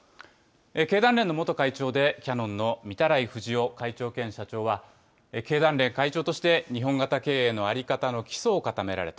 経団連の元会長でキヤノンの御手洗冨士夫会長兼社長は、経団連会長として日本型経営の在り方の基礎を固められた。